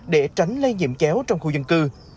để tránh lây nhiễm chéo trong khu dân cư